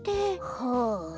はあ。